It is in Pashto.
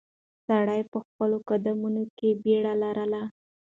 سړی په خپلو قدمونو کې بیړه لرله.